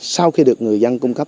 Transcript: sau khi được người dân cung cấp